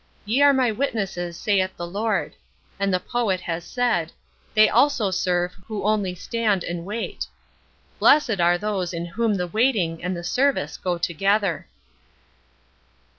"Ye are my witnesses, saith the Lord." And the poet has said: "They also serve who only stand and wait." Blessed are those in whom the waiting and the service go together.